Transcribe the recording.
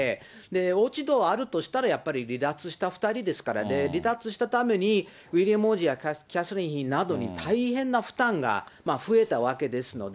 落ち度あるとしたら、やっぱり離脱した２人ですから、離脱したためにウィリアム王子やキャサリン妃などに大変な負担が増えたわけですので。